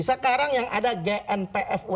sekarang yang ada gnpf mui